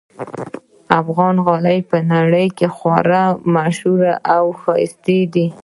افغان غالۍ په نړۍ کې خورا ممشهوري اوښایسته دي